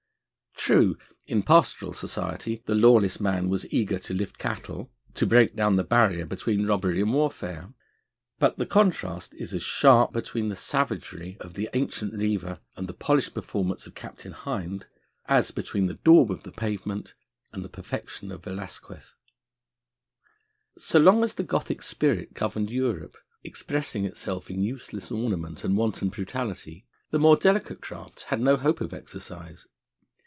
True, in pastoral society, the lawless man was eager to lift cattle, to break down the barrier between robbery and warfare. But the contrast is as sharp between the savagery of the ancient reiver and the polished performance of Captain Hind as between the daub of the pavement and the perfection of Velasquez. So long as the Gothic spirit governed Europe, expressing itself in useless ornament and wanton brutality, the more delicate crafts had no hope of exercise.